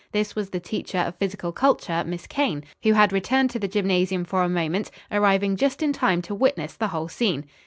This was the teacher of physical culture, Miss Kane, who had returned to the gymnasium for a moment, arriving just in time to witness the whole scene.